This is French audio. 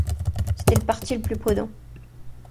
C’était le parti le plus prudent.